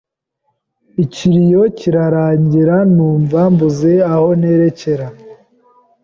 ikiriyo kirarangira, numva mbuze aho nerekera